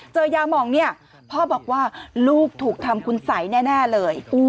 ยามองเนี่ยพ่อบอกว่าลูกถูกทำคุณสัยแน่เลย